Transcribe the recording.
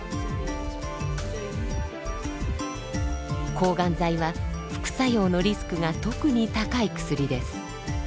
抗がん剤は副作用のリスクが特に高い薬です。